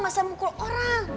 masih mukul orang